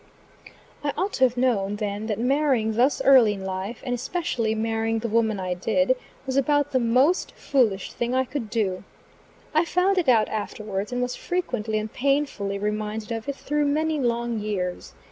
I ought to have known then that marrying thus early in life, and especially marrying the woman I did, was about the most foolish thing I could do. I found it out afterwards, and was frequently and painfully reminded of it through many long years.